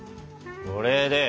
これで。